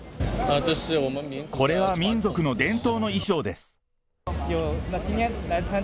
これは民族の伝統の衣装です。